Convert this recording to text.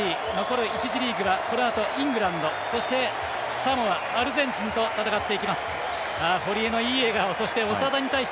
プールＤ、残る１次リーグはこのあとイングランド、サモアアルゼンチンと戦っていきます。